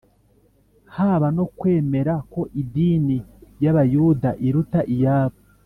haba no kwemera ko idini y’Abayuda iruta iyabo